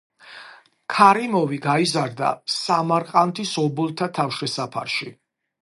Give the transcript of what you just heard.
ქარიმოვი გაიზარდა სამარყანდის ობოლთა თავშესაფარში.